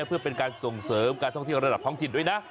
เข้าเส้นชัย